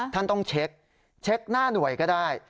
ท่านต้องเช็คเช็คหน้าหน่วยก็ได้